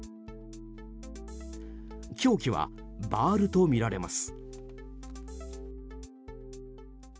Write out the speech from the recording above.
凶器はバールとみられます。